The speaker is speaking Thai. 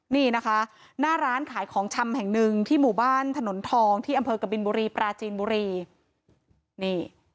นี่นะคะหน้าร้านขายของชำแห่งหนึ่งที่หมู่บ้านถนนทองที่อำเภอกบินบุรีปราจีนบุรีนี่